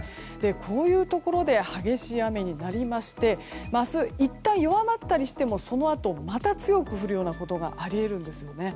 こういうところで激しい雨になりまして明日、１回弱まったりしてもそのあとまた強く降るようなことがあり得るんですね。